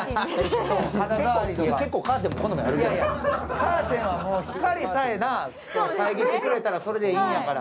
カーテンは光さえ遮ってくれたらそれでええねんから。